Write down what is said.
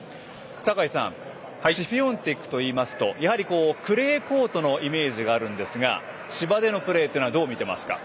坂井さんシフィオンテクといいますとクレーコートのイメージがあるんですが芝でのプレーをどう見てますか？